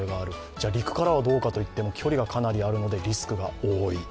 じゃ、陸からはどうかといっても距離がかなりあるのでリスクが多い。